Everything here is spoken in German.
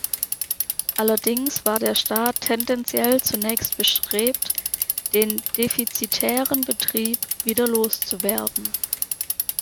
Allerdings war der Staat tendenziell zunächst bestrebt, den defizitären Betrieb wieder loszuwerden.